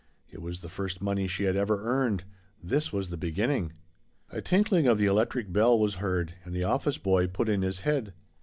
It was the first money she had ever earned. This was the beginning. A tinkling of the electric bell was heard, and the office boy put in his head.